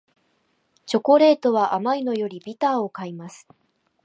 チョコレートは甘いのよりビターを買います